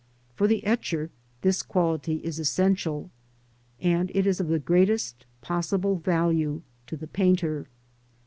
For the etcher this quality is essential, and it is of the greatest possible value to the painter.